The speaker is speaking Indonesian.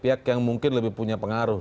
pihak yang mungkin lebih punya pengaruh